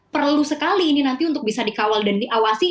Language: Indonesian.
perlu sekali ini nanti untuk bisa dikawal dan diawasi